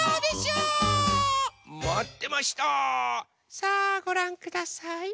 さあごらんください。